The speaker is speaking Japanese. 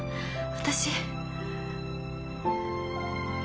私。